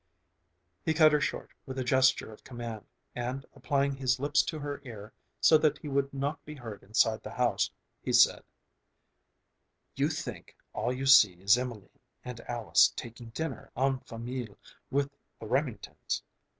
He cut her short with a gesture of command, and applying his lips to her ear so that he would not be heard inside the house, he said, "You think all you see is Emelene and Alys taking dinner en famille with the Remingtons.